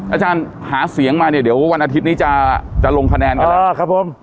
อาจารย์หาเสียงมาเนี่ยเดี๋ยววันอาทิตย์นี้จะลงคะแนนกันแล้วครับผม